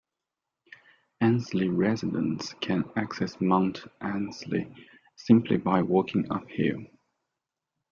Ainslie residents can access Mount Ainslie simply by walking uphill.